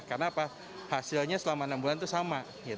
karena apa hasilnya selama enam bulan itu sama